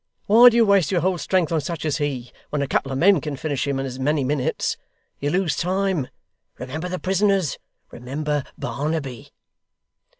Why do you waste your whole strength on such as he, when a couple of men can finish him in as many minutes! You lose time. Remember the prisoners! remember Barnaby!